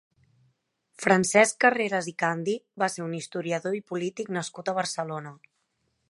Francesc Carreras i Candi va ser un historiador i polític nascut a Barcelona.